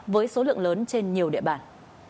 với số lượng lớn trên nhiều địa bàn